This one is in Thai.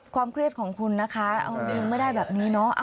เครียดของคุณนะคะเอาจริงไม่ได้แบบนี้เนาะ